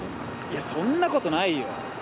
いやそんな事ないよ。